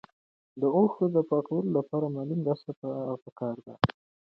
د اوښکو د پاکولو لپاره مالي مرسته پکار ده.